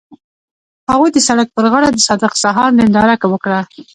هغوی د سړک پر غاړه د صادق سهار ننداره وکړه.